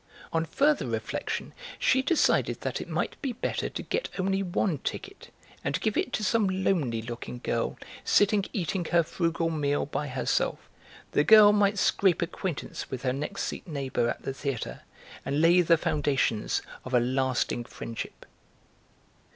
On further reflection she decided that it might be better to get only one ticket and give it to some lonely looking girl sitting eating her frugal meal by herself; the girl might scrape acquaintance with her next seat neighbour at the theatre and lay the foundations of a lasting friendship.